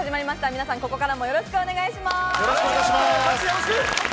皆さん、ここからもよろしくお願いします。